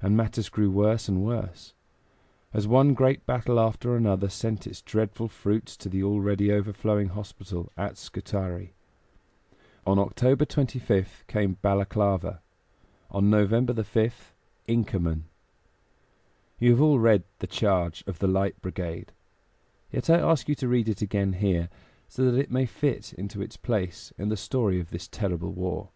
And matters grew worse and worse, as one great battle after another sent its dreadful fruits to the already overflowing hospital at Scutari. On October 25th came Balaklava; on November 5th, Inkerman. You have all read "The Charge of the Light Brigade"; yet I ask you to read it again here, so that it may fit into its place in the story of this terrible war.